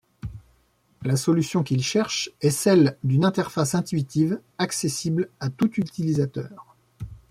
La solution qu'il cherche est celle d'une interface intuitive accessible à tout utilisateur.